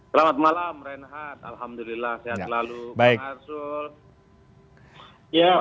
selamat malam renhat alhamdulillah sehat lalu